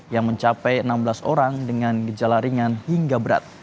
yang mencapai enam belas orang dengan gejala ringan hingga berat